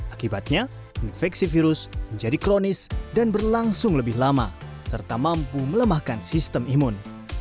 akibatnya infeksi virus menjadi kronis dan berlangsung lebih lama serta mampu melemahkan sistem imun